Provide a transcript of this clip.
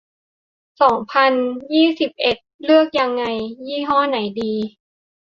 สองพันยี่สิบเอ็ด เลือกยังไง ยี่ห้อไหนดี